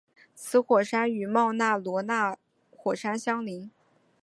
此火山与冒纳罗亚火山相邻。